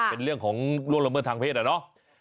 เป็นเรื่องของล่วงละเมิดทางเศษอะเนาะ